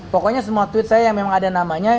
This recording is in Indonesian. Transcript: pokoknya semua tweet saya yang memang ada namanya